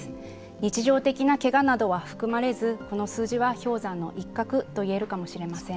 日常的なけがなどは含まれずこの数字は氷山の一角といえるかもしれません。